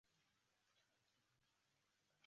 国民革命军第三军由王均任军长。